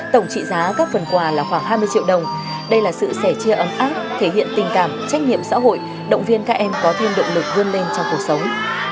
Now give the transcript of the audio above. tổng trị giá các phần quà là khoảng hai mươi triệu đồng đây là sự sẻ chia ấm áp thể hiện tình cảm trách nhiệm xã hội động viên các em có thêm động lực vươn lên trong cuộc sống